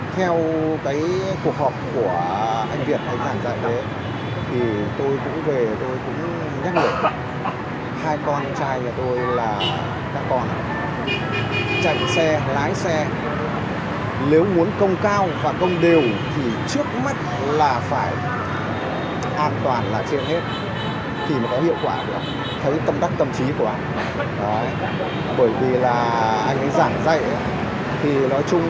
theo cái cuộc họp của anh việt anh hàn dạng đấy thì tôi cũng về tôi cũng nhắc được hai con trai nhà tôi là các con